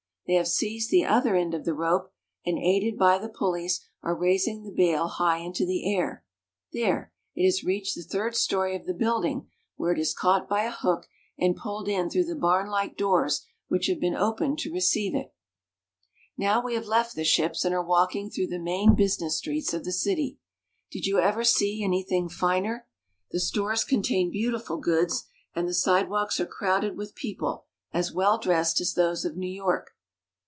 They have seized the other end of the rope, and, aided by the pulleys, are rais ing the bale high into the air. There, it has reached the third story of the building, where it is caught by a hook and pulled in through the barnlike doors which have been opened to receive it. Now we have left the ships, and are walking through the main business streets of the city. Did you ever see anything finer? The stores contain beautiful goods, and the sidewalks are crowded with people as well dressed as those of New York.